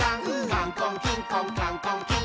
「カンコンキンコンカンコンキン！」